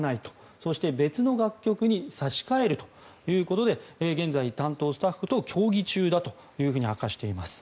そして、別の楽曲に差し替えるということで現在、担当スタッフと協議中だと明かしています。